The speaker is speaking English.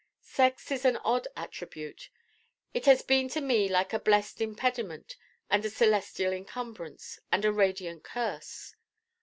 Sex is an odd attribute. It has been to me like a blest impediment and a celestial incumbrance and a radiant curse.